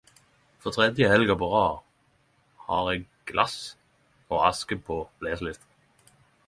For tredje helga på rad har eg Glass og aske på leselista.